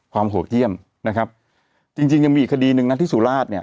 โหดเยี่ยมนะครับจริงจริงยังมีอีกคดีหนึ่งนะที่สุราชเนี่ย